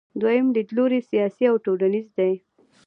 دویم لیدلوری سیاسي او ټولنیز دی.